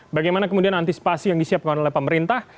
bagaimana kemudian antisipasi yang disiapkan oleh pemerintah